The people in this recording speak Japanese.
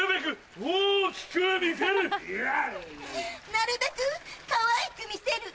なるべくかわいく見せる。